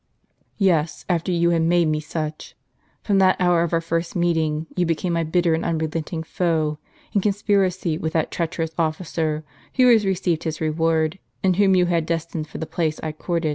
"Yes, after you had made me such. From that hour of our first meeting you became my bitter and unrelenting foe, in conspiracy with that treacherous ofiicer, who has received his reward, and whom you had destined for the place I courted.